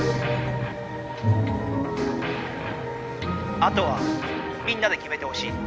「あとはみんなできめてほしい。